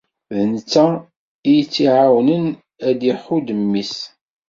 D netta i t-iɛawnen ad d-iḥudd mmi-s.